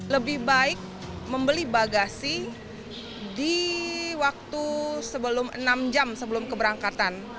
lebih baik membeli bagasi di waktu sebelum enam jam sebelum keberangkatan